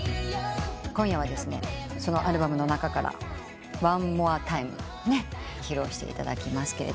今夜はそのアルバムの中から『ｏｎｅｍｏｒｅｔｉｍｅ』を披露していただきます。